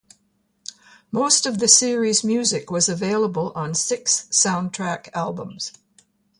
Most of the series' music was made available on six soundtrack albums.